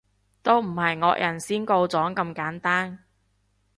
都唔係惡人先告狀咁簡單